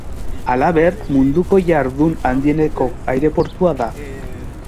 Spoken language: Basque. Halaber, Munduko jardun handieneko aireportua da.